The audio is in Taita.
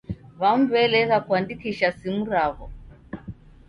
W'amu w'elegha kuandikisha simu raw'o.